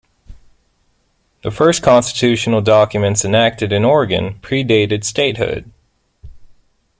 The first constitutional documents enacted in Oregon pre-dated statehood.